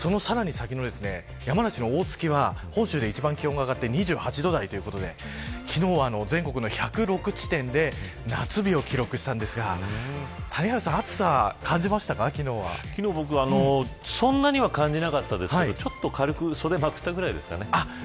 さらに、その先の山梨の大月は本州で一番気温が上がって２８度台ということで昨日は、全国の１０６地点で夏日を記録したんですが谷原さん、暑さ昨日、僕そんなには感じなかったですけどちょっと軽く袖をまくったぐらいです。